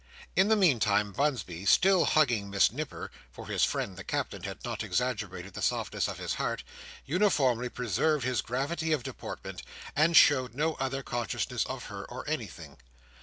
In the meantime, Bunsby, still hugging Miss Nipper (for his friend, the Captain, had not exaggerated the softness of his heart), uniformly preserved his gravity of deportment, and showed no other consciousness of her or anything.